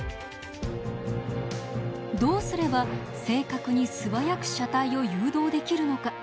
どうすれば正確に素早く車体を誘導できるのか。